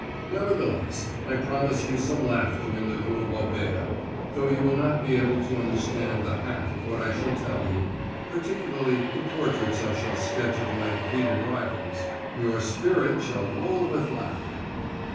Nevertheless, I promise you some laughter in the Rue Auber. Though you will not be able to understand the half of what I shall tell you particularly the portraits I shall sketch of my defeated rivals your spirit shall roll with laughter.